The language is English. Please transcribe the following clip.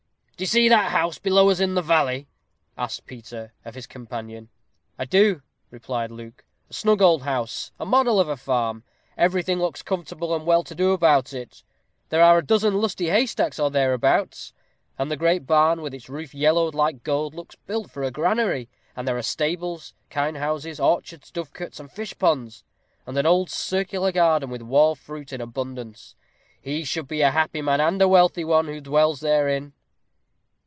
"Do you see that house below us in the valley?" asked Peter of his companion. "I do," replied Luke; "a snug old house a model of a farm. Everything looks comfortable and well to do about it. There are a dozen lusty haystacks, or thereabouts; and the great barn, with its roof yellowed like gold, looks built for a granary; and there are stables, kine houses, orchards, dovecots, and fishponds, and an old circular garden, with wall fruit in abundance. He should be a happy man, and a wealthy one, who dwells therein."